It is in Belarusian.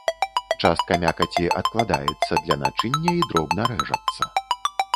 Частка мякаці адкладаецца для начыння і дробна рэжацца.